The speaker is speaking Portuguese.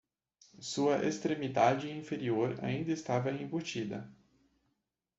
Sua extremidade inferior ainda estava embutida.